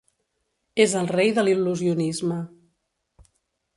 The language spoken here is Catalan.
És el rei de l'il·lusionisme.